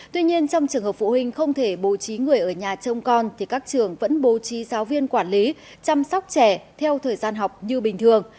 tuy nhiên trong trường hợp phụ huynh không thể bố trí người ở nhà trông con thì các trường vẫn bố trí giáo viên quản lý chăm sóc trẻ theo thời gian học như bình thường